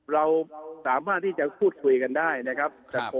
เราสามารถที่จะพูดคุยกันได้นะครับ